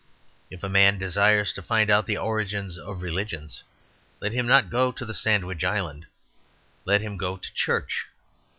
If a man desires to find out the origins of religions, let him not go to the Sandwich Islands; let him go to church.